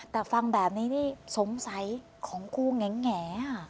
แต่ฟังแบบนี้นี่สงสัยของครูแง่